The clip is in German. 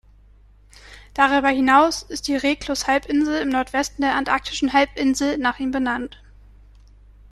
Darüber hinaus ist die Reclus-Halbinsel im Nordwesten der Antarktischen Halbinsel nach ihm benannt.